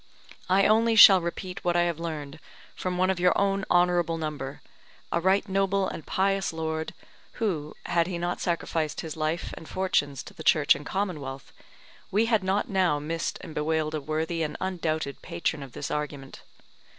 I only shall repeat what I have learned from one of your own honourable number, a right noble and pious lord, who, had he not sacrificed his life and fortunes to the Church and Commonwealth, we had not now missed and bewailed a worthy and undoubted patron of this argument.